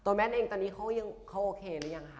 ตัวแมทเองตอนนี้เขาโอเคหรือยังคะ